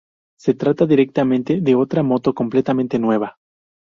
Se trata directamente de otra moto completamente nueva.